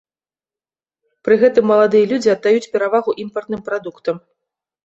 Пры гэтым маладыя людзі аддаюць перавагу імпартным прадуктам.